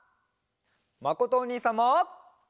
まことおにいさんも。